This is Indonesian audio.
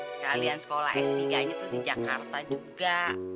sekalian sekolah s tiga nya tuh di jakarta juga